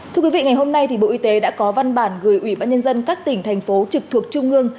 thưa quý vị ngày hôm nay bộ y tế đã có văn bản gửi ủy ban nhân dân các tỉnh thành phố trực thuộc trung ương